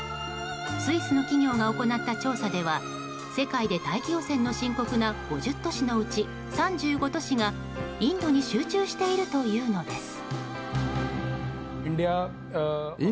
スイスの企業が行った調査では世界で大気汚染の深刻な５０都市のうち３５都市がインドに集中しているというのです。